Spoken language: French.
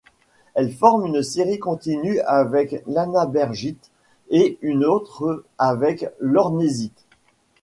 Elle forme une série continue avec l'annabergite et une autre avec l'hörnésite.